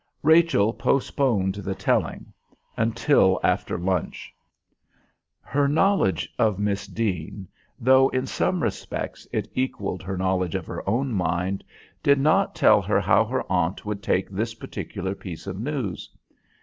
Rachel postponed the telling until after lunch. Her knowledge of Miss Deane, though in some respects it equalled her knowledge of her own mind, did not tell her how her aunt would take this particular piece of news.